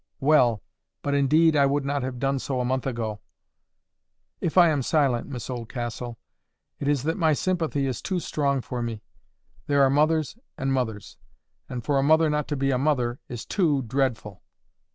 well! But indeed I would not have done so a month ago." "If I am silent, Miss Oldcastle, it is that my sympathy is too strong for me. There are mothers and mothers. And for a mother not to be a mother is too dreadful."